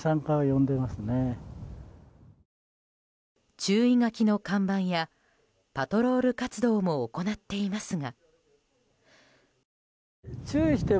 注意書きの看板やパトロール活動も行っていますが。